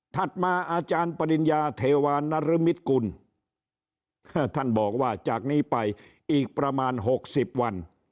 มาอาจารย์ปริญญาเทวานรมิตกุลท่านบอกว่าจากนี้ไปอีกประมาณ๖๐วัน